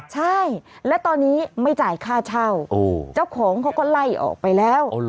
ใช่และตอนนี้ไม่จ่ายค่าเช่าเจ้าของเขาก็ไล่ออกไปแล้ว